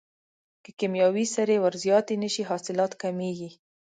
که کیمیاوي سرې ور زیاتې نشي حاصلات کمیږي.